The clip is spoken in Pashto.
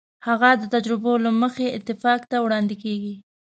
هغه د تجربو له مخې اتفاق ته وړاندې کېږي.